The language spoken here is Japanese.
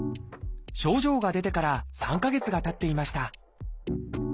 症状が出てから３か月がたっていました。